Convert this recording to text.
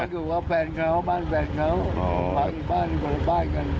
พักอยู่กับแฟนเขาบ้านแฟนเขาพักอยู่บ้านอยู่บนบ้านกัน